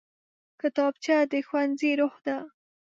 کتابچه د ښوونځي روح ده